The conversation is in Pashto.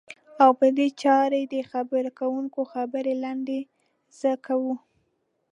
او په دې چارې د خبرې کوونکي خبرې لنډی ز کوو.